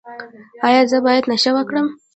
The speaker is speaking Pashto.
ایا زه باید نشه وکړم؟